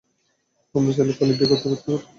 আমরা চাইলে পালিয়ে বিয়ে করে ফেলতে পারতাম।